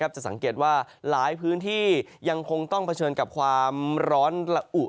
จะสังเกตว่าหลายพื้นที่ยังคงต้องเผชิญกับความร้อนละอุ